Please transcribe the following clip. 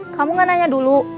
kamu gak nanya dulu